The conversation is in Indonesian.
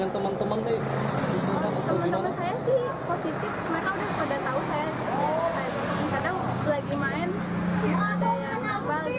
teman teman saya sih positif mereka udah tau saya